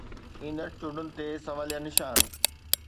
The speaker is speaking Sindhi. ايندڙ چونڊن تي سواليه نشان.